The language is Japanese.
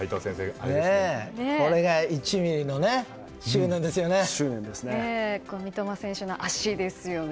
これが１ｍｍの執念ですよね。